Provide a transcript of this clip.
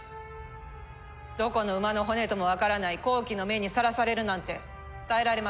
どこの馬の骨ともわからない好奇の目にさらされるなんて耐えられません。